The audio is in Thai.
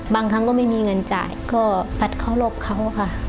บางครั้งก็ไม่มีเงินจ่ายก็ปัดเคารพเขาค่ะ